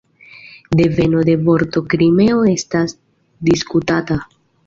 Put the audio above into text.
Deveno de vorto "Krimeo" estas diskutata.